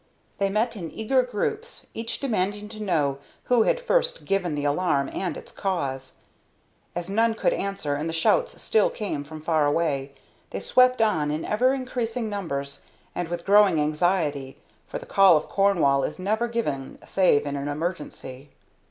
They met in eager groups, each demanding to know who had first given the alarm and its cause. As none could answer, and the shouts still came from far away, they swept on, in ever increasing numbers and with growing anxiety, for the call of Cornwall is never given save in an emergency.